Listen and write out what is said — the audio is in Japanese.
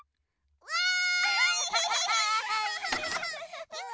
わい！